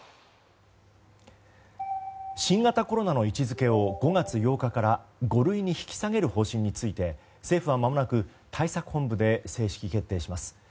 新型コロナの位置づけを５月８日から五類に引き下げる方針について政府はまもなく対策本部で正式決定します。